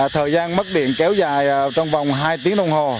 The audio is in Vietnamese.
thời gian mất điện kéo dài trong vòng hai tiếng đồng hồ